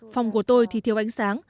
phòng của tôi thì thiếu ánh sáng